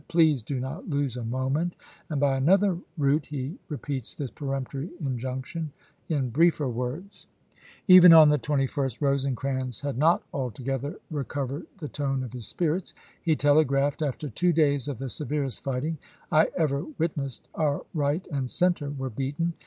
Please do not lose a moment," and by another route he repeats this peremptory injunction in briefer words. Even on the 21st Rosecrans had not altogether recovered the tone of his spirits. He telegraphed : "After two days of the severest fighting I ever witnessed, our right and center were beaten.